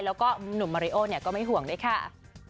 แล้วก็หนุ่มมะเรโอ้ก็ไม่ห่วงได้ค่ะ